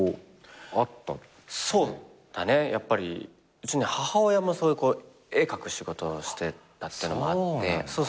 うち母親も絵描く仕事をしてたっていうのもあって。